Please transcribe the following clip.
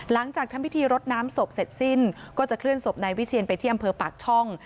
หลังจากทำพิธีรดน้ำศพเสร็จสิ้นก็จะเคลื่อนศพนายวิเชียนไปที่อำเภอปากช่อง